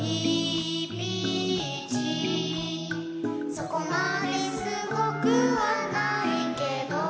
「そこまですごくはないけど」